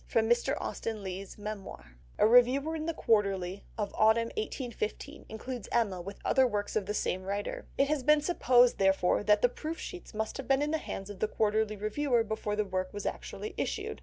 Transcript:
(Mr. Austen Leigh's Memoir.) A reviewer in The Quarterly of the autumn 1815 includes Emma with other works of the same writer. It has been supposed, therefore, that the proof sheets must have been in the hands of the Quarterly reviewer before the work was actually issued.